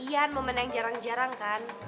iya momen yang jarang jarang kan